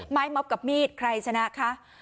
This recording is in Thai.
ม็อบกับมีดใครชนะคะ